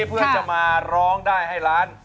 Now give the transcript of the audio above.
เพื่อจะมาร้องได้ให้ล้าน